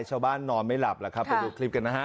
นอนไม่หลับแล้วครับไปดูคลิปกันนะฮะ